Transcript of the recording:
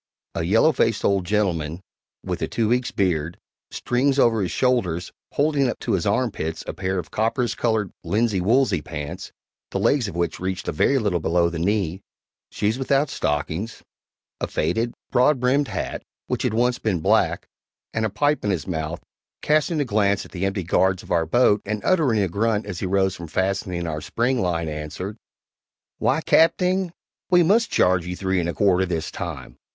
A yellow faced old gentleman, with a two weeks' beard, strings over his shoulders holding up to his armpits a pair of copperas colored linsey woolsey pants, the legs of which reached a very little below the knee; shoes without stockings; a faded, broad brimmed hat, which had once been black, and a pipe in his mouth casting a glance at the empty guards of our boat and uttering a grunt as he rose from fastening our "spring line," answered: "Why, Capting, we must charge you three and a quarter THIS time."